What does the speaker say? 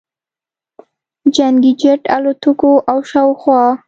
جنګي جټ الوتکو او شاوخوا